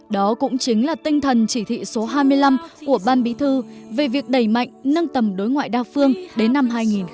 đó cũng chính là tinh thần chỉ thị số hai mươi năm của ban bí thư về việc đẩy mạnh nâng tầm đối ngoại đa phương đến năm hai nghìn hai mươi